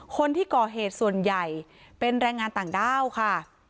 คนที่ก่อเหตุส่วนใหญ่เป็นแรงงานต่างด้าวค่ะ